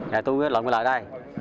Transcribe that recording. thì tôi lồng lại đây